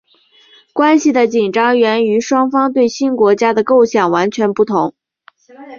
关系的紧张源于双方对新国家的构想完全不同。